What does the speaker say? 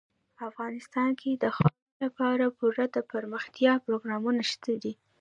افغانستان کې د خاورې لپاره پوره دپرمختیا پروګرامونه شته دي.